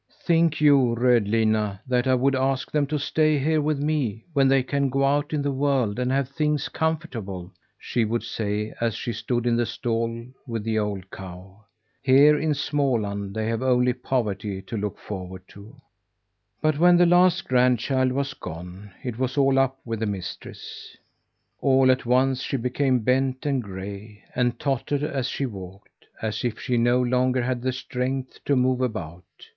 "Think you, Rödlinna, that I would ask them to stay here with me, when they can go out in the world and have things comfortable?" she would say as she stood in the stall with the old cow. "Here in Småland they have only poverty to look forward to." But when the last grandchild was gone, it was all up with the mistress. All at once she became bent and gray, and tottered as she walked; as if she no longer had the strength to move about.